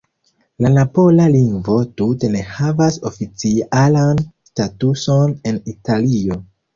La napola lingvo tute ne havas oficialan statuson en Italio.